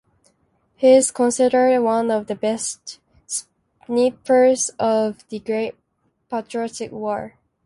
He is considered one of the best snipers of the Great Patriotic War.